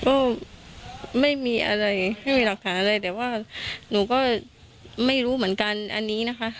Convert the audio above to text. ก็ไม่มีอะไรไม่มีหลักฐานอะไรแต่ว่าหนูก็ไม่รู้เหมือนกันอันนี้นะคะ